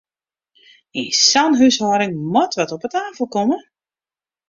Yn sa'n húshâlding moat wat op 'e tafel komme!